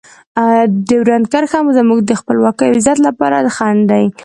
ډیورنډ کرښه زموږ د خپلواکۍ او عزت لپاره خنډ دی.